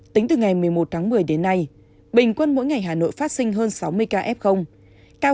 tính từ ngày một mươi một tháng một mươi đến nay bình quân mỗi ngày hà nội phát sinh hơn sáu mươi ca f